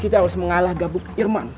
kita harus mengalah gabuk irman